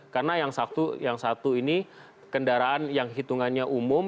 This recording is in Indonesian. karena yang satu ini kendaraan yang hitungannya umum